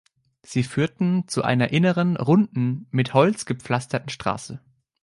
Sie führten zu einer inneren, runden, mit Holz gepflasterten Straße.